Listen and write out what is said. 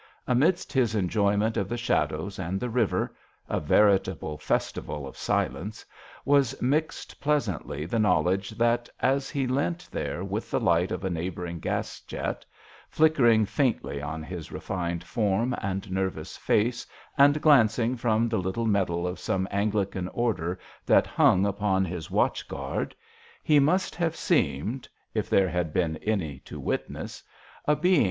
Amidst his enjoyment of the shadows and the river a veritable festival of silence was mixed pleasantly the knowledge that, as he leant there with the light of a neighbouring gas jet, flickering faintly on his refined form and nervous face and glancing from the little medal of some Anglican order that hung upon his watch guard, he must have seemed if there had been any to witness a being JOHN SHERMAN.